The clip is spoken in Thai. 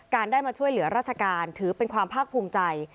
ได้มาช่วยเหลือราชการถือเป็นความภาคภูมิใจ